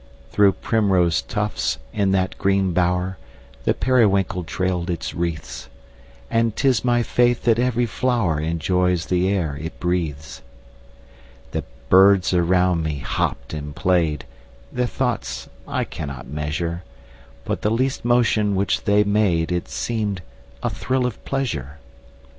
Through primrose tufts, in that green bower, The periwinkle trailed its wreaths; And 'tis my faith that every flower Enjoys the air it breathes. The birds around me hopped and played, Their thoughts I cannot measure: But the least motion which they made It seemed a thrill of pleasure.